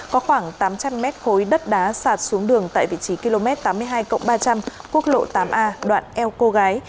có khoảng tám trăm linh mét khối đất đá sạt xuống đường tại vị trí km tám mươi hai ba trăm linh quốc lộ tám a đoạn eo cô gái